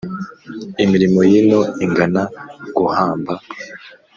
imirimo y’ino ingana guhamba